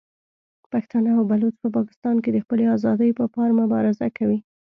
پښتانه او بلوڅ په پاکستان کې د خپلې ازادۍ په پار مبارزه کوي.